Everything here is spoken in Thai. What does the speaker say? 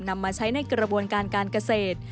นำมาใช้ในกระบวนการการเกษตร